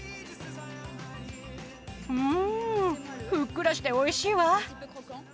うんふっくらしておいしいわ。